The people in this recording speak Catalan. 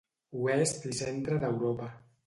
Oest i centre d'Europa.